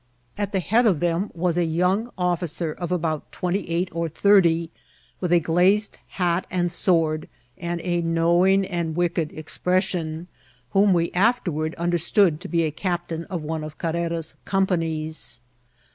At the head of them was a young officer of about twenty eight or thirty, with a glazed hat and^word, and a knowing and wicked expression, whom we afterward understood to be a detain of one of Carrera's companies.